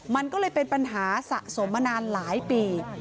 มันก็เลยเป็นปัญหาสะสมมานานหลายปี